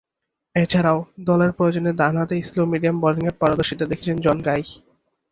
এছাড়াও, দলের প্রয়োজনে ডানহাতে স্লো-মিডিয়াম বোলিংয়ে পারদর্শীতা দেখিয়েছেন জন গাই।